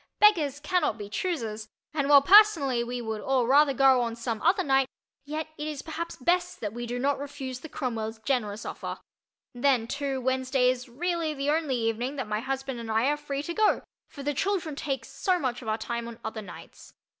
"Beggars cannot be choosers," and while personally we would all rather go on some other night, yet it is perhaps best that we do not refuse the Cromwells' generous offer. Then, too, Wednesday is really the only evening that my husband and I are free to go, for the children take so much of our time on other nights.